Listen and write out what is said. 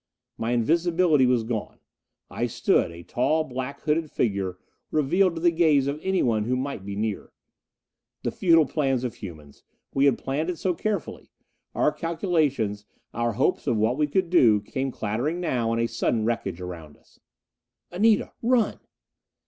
My invisibility was gone! I stood, a tall black hooded figure, revealed to the gaze of anyone who might be near! The futile plans of humans! We had planned so carefully! Our calculations, our hopes of what we could do, came clattering now in a sudden wreckage around us. "Anita, run!"